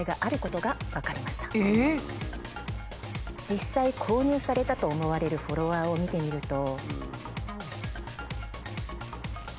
実際購入されたと思われるフォロワーを見てみると。